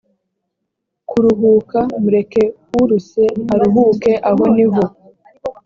kuruhuka mureke urushye aruhuke aho ni ho